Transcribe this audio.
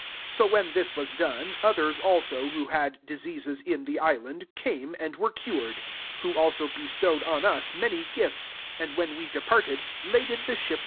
9 So when this was done, others also, who had diseases in the island, came and were cured: 10 who also bestowed on us many gifts; and, when we departed, laded the ship.